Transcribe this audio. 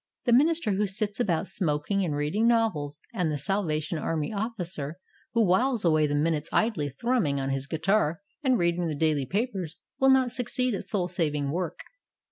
The minister who sits about smoking and reading novels, and The Salvation Army officer who whiles away the minutes idly thrumming on his guitar and reading the daily papers will not succeed at soul saving work.